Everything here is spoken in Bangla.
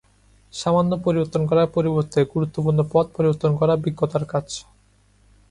সামান্য পরিবর্তন করার পরিবর্তে, গুরুত্বপূর্ণ পথ পরিবর্তন করা বিজ্ঞতার কাজ।